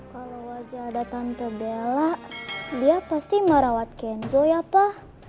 kalau aja ada tante bella dia pasti mau rawat kenzo ya pa